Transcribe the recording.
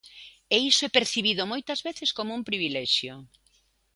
E iso é percibido moitas veces como un privilexio.